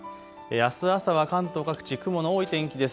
あす朝は関東各地、雲の多い天気です。